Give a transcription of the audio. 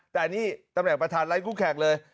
แต่นี่ตำแหน่งประธานไร้คู่แข่งเลย